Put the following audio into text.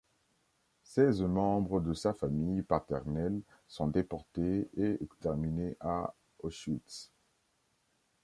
Seize membres de sa famille paternelle sont déportés et exterminés à Auschwitz.